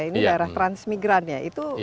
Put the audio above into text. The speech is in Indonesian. ini daerah transmigran ya